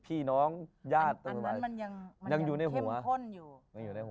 อันหน้ามันยังเค็มข้นอยู่